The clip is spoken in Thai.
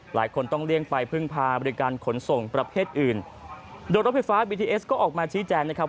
หลายคนต้องเลี่ยงไปพึ่งพาบริการขนส่งประเภทอื่นโดยรถไฟฟ้าบีทีเอสก็ออกมาชี้แจงนะครับ